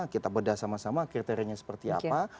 kita bedah sama sama kriterianya seperti apa